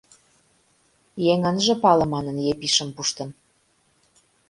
Еҥ ынже пале манын, Епишым пуштын.